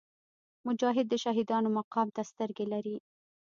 مجاهد د شهیدانو مقام ته سترګې لري.